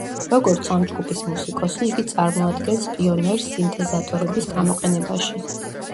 როგორც ამ ჯგუფის მუსიკოსი, იგი წარმოადგენს პიონერს სინთეზატორების გამოყენებაში.